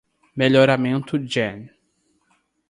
Melhoramento gen